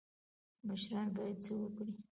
مشران باید څه وکړي؟